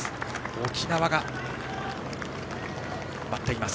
沖縄が待っています。